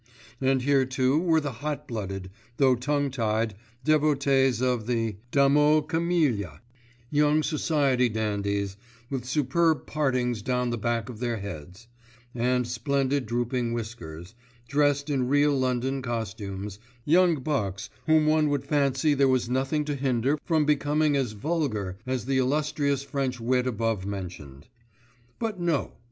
And here, too, were the hot blooded, though tongue tied, devotees of the dames aux camellias, young society dandies, with superb partings down the back of their heads, and splendid drooping whiskers, dressed in real London costumes, young bucks whom one would fancy there was nothing to hinder from becoming as vulgar as the illustrious French wit above mentioned. But no!